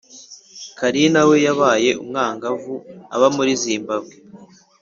karina we yabaye umwangavu aba muri zimbabwe